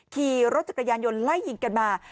ขี่รถจักรยานยนต์ไล่ยิงกันมา